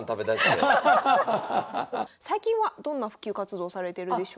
最近はどんな普及活動されてるんでしょうか？